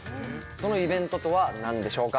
そのイベントとは何でしょうか？